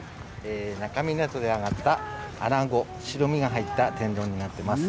那珂湊で揚がったアナゴ、白身が入った天丼になっています。